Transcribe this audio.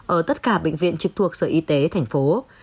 ở tất cả bệnh viện trực thuộc sở y tế tp hcm